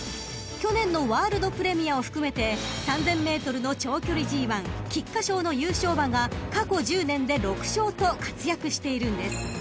［去年のワールドプレミアを含めて３，０００ｍの長距離ＧⅠ菊花賞の優勝馬が過去１０年で６勝と活躍しているんです］